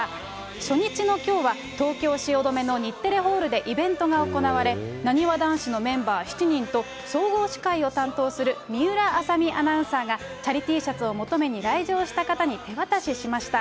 初日のきょうは東京・汐留の日テレホールでイベントが行われ、なにわ男子のメンバー７人と、総合司会を担当する水卜麻美アナウンサーが、チャリＴシャツを求めに来場した方に手渡ししました。